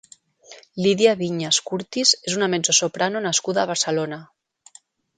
Lidia Vinyes Curtis és una mezzosoprano nascuda a Barcelona.